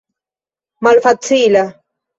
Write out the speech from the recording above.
malfacila